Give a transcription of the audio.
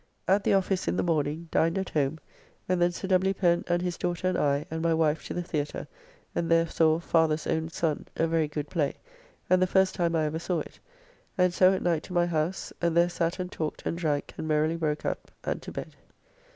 At the office in the morning, dined at home, and then Sir W. Pen and his daughter and I and my wife to the Theatre, and there saw "Father's own Son," a very good play, and the first time I ever saw it, and so at night to my house, and there sat and talked and drank and merrily broke up, and to bed.